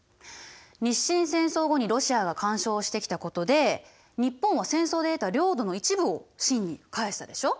日清戦争後にロシアが干渉してきたことで日本は戦争で得た領土の一部を清に返したでしょ。